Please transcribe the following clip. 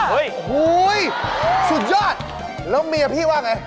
โอ้โหสุดยอดแล้วเมียพี่ว่าไง